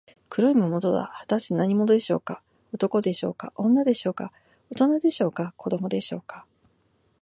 黒い魔物とは、はたして何者でしょうか。男でしょうか、女でしょうか、おとなでしょうか、子どもでしょうか。